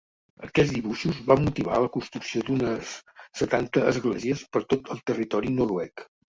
Aquests dibuixos van motivar la construcció d'unes setanta esglésies per tot el territori noruec.